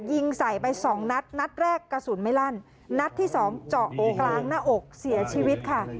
ยิงใส่ไปสองนัดนัดแรกกระสุนไม่ลั่นนัดที่สองเจาะตรงกลางหน้าอกเสียชีวิตค่ะ